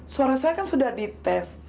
suara saya kan sudah dites